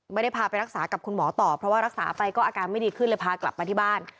ไม่ได้พาไปรักษากับคุณหมอต่อเพราะว่ารักษาไปก็อาการไม่ดีขึ้นเลยพากลับมาที่บ้าน